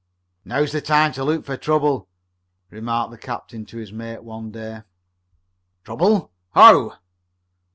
"Now's the time to look for trouble," remarked Captain Spark to his mate one day. "Trouble? How?"